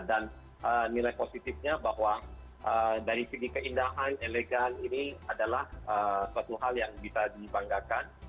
dan nilai positifnya bahwa dari segi keindahan elegan ini adalah suatu hal yang bisa dibanggakan